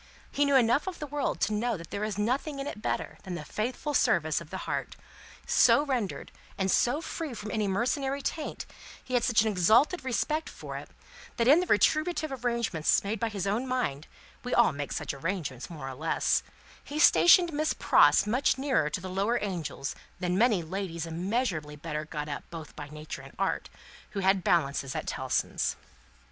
He knew enough of the world to know that there is nothing in it better than the faithful service of the heart; so rendered and so free from any mercenary taint, he had such an exalted respect for it, that in the retributive arrangements made by his own mind we all make such arrangements, more or less he stationed Miss Pross much nearer to the lower Angels than many ladies immeasurably better got up both by Nature and Art, who had balances at Tellson's.